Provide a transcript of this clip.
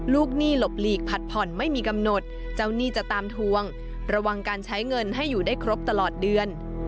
หนี้หลบหลีกผัดผ่อนไม่มีกำหนดเจ้าหนี้จะตามทวงระวังการใช้เงินให้อยู่ได้ครบตลอดเดือน